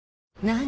何？